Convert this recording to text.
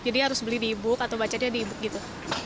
jadi harus beli di e book atau bacanya di e book gitu